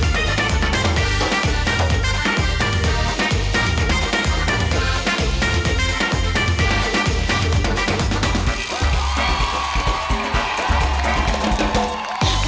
ว้าว